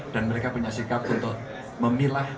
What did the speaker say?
dan mereka punya sikap untuk memilah